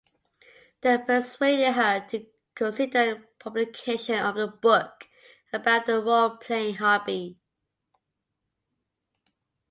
They persuaded her to consider publication of a book about the role-playing hobby.